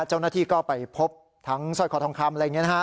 เจ้าหน้าที่ก็ไปพบทั้งสร้อยคอทองคำอะไรอย่างนี้นะฮะ